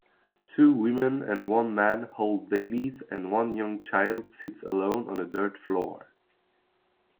Two women and one man hold babies and one young child sits alone on a dirt floor.